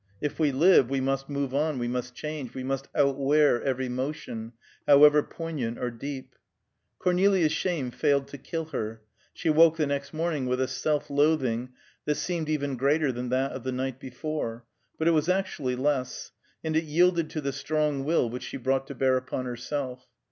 If we live, we must move on, we must change, we must outwear every motion, however poignant or deep. Cornelia's shame failed to kill her; she woke the next morning with a self loathing that seemed even greater than that of the night before, but it was actually less; and it yielded to the strong will which she brought to bear upon herself.